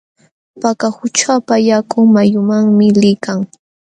Paka qućhapa yakun mayumanmi liykan.